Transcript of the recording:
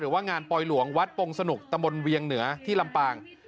ว่างานปลอยหลวงวัดปงสนุกตะมนต์เวียงเหนือที่ลำปาง